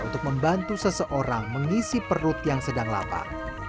untuk membantu seseorang mengisi perut yang sedang lapar